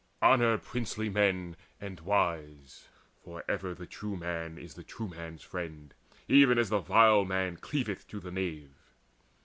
Honour princely men and wise; For the true man is still the true man's friend, Even as the vile man cleaveth to the knave.